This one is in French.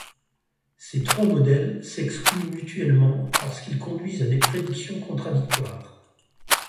Ces trois modèles s'excluent mutuellement parce qu'ils conduisent à des prédictions contradictoires.